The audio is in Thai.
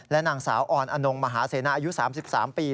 และหนังสาวออนอนงมหาเสน่ห์อายุ๓๓ปี